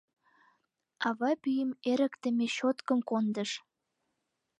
Ава пӱйым эрыктыме щёткым кондыш.